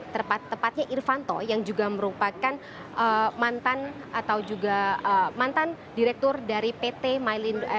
tepatnya irvanto yang juga merupakan mantan atau juga mantan direktur dari pt mailindo